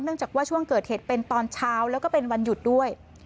จากว่าช่วงเกิดเหตุเป็นตอนเช้าแล้วก็เป็นวันหยุดด้วย